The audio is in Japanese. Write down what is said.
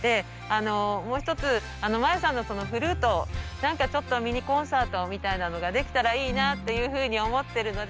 もう一つまやさんのそのフルートミニコンサートみたいなのができたらいいなっていうふうに思ってるので。